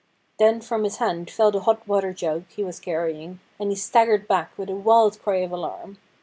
Then from his hand fell the hot water jug he was carrying, and he staggered back with a wild cry of alarm.